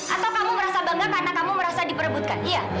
atau kamu merasa bangga karena kamu merasa diperebutkan iya